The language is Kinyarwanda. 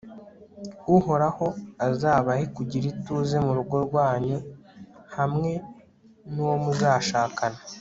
uhoraho azabahe kugira ituze mu rugo rwanyu hamwe n'uwo muzashakana